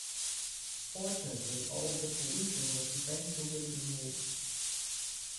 Fortunately, all of the pollution was eventually removed.